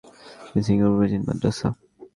এটি সিঙ্গাপুরের প্রাচীনতম মাদ্রাসা।